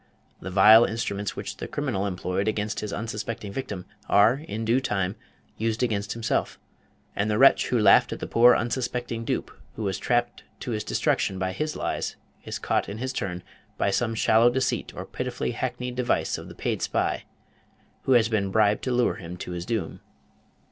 The vile instruments which the criminal employed against his unsuspecting victim are in due time used against himself; and the wretch who laughed at the poor unsuspecting dupe who was trapped to his destruction by his lies, is caught in his turn by some shallow deceit or pitifully hackneyed device of the paid spy, who has been bribed to lure him to his doom.